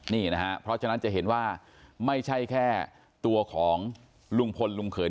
นี่นะฮะเพราะฉะนั้นจะเห็นว่าไม่ใช่แค่ตัวของลุงพลลุงเขย